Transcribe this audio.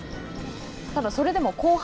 ただ、それでも後半。